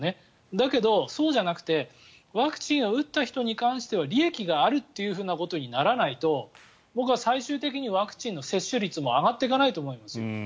だけど、そうじゃなくてワクチンを打った人に関しては利益があるということにならないと僕は最終的にワクチンの接種率も上がっていかないと思います。